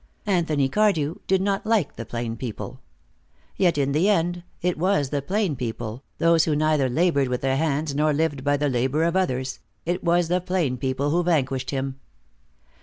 Anthony Cardew did not like the plain people. Yet in the end, it was the plain people, those who neither labored with their hands nor lived by the labor of others it was the plain people who vanquished him.